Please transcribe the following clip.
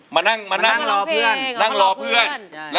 มานั่งรอเพื่อน